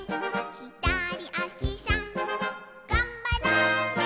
「ひだりあしさんがんばろうね」